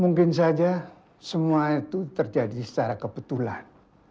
mungkin saja semua itu terjadi secara kebetulan